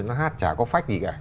nó hát chả có phách gì cả